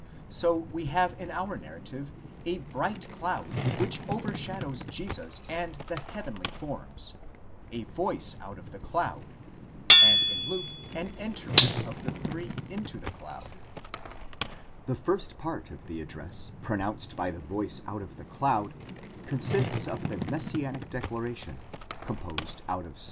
16 18): so we have in our narrative a bright cloud, νεφέλη φωτὸς, which overshadows Jesus and the heavenly forms, @ voice out of the cloud, φωνὴ ἐκ τῆς νεφέλης, and in Luke an entering, εἰσελθεῖν, of the three into the cloud. The first part of the address pronounced by the voice out of the cloud, consists of the messianic declar ation, composed out of Ps.